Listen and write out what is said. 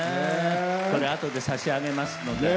これ、あとで差し上げますので。